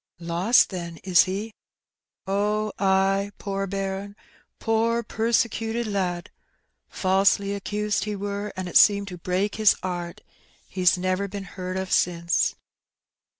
^'^' Lost, then, is he ?'^'^ Oh, ay, poor baim, poor persecuted lad ; falsely accused he wur, an* it seemed to break his *eart; he's never been heard of since.